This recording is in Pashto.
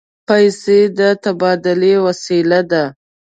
پیسې د تبادلې وسیله ده.